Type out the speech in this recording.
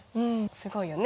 すごいよね。